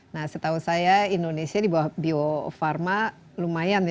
nah setahu saya indonesia di bawah bio farma lumayan ya